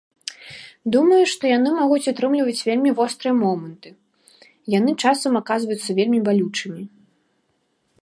Думаю, што яны могуць утрымліваць вельмі вострыя моманты, яны часам аказваюцца вельмі балючымі.